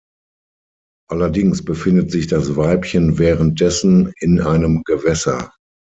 Allerdings befindet sich das Weibchen währenddessen in einem Gewässer.